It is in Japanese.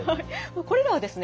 これらはですね